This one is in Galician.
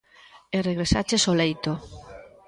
E regresaches ó leito.